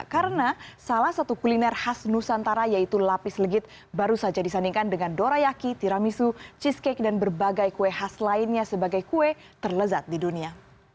karena salah satu kuliner khas nusantara yaitu lapis legit baru saja disandingkan dengan dorayaki tiramisu cheesecake dan berbagai kue khas lainnya sebagai kue terlezat di dunia